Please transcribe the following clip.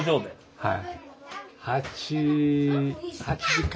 はい。